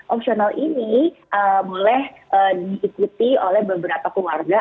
opsional ini boleh diikuti oleh beberapa keluarga